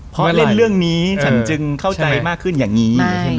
เพราะเล่นเรื่องนี้ข้างจริงเข้าใจกว่าแบบนี้